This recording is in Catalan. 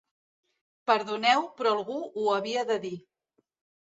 Perdoneu, però algú ho havia de dir.